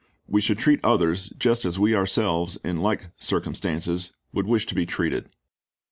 We should treat others just as we ourselves, in like circumstances, would wish to be treated.